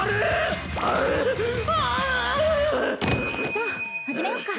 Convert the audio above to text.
さあ始めようか。